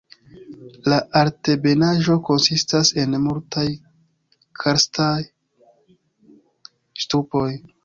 La altebenaĵo konsistas en multaj karstaj ŝtupoj.